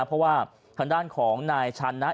เพราะว่าทางด้านของนายชันนะ